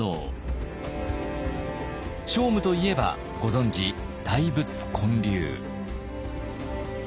聖武といえばご存じ大仏建立。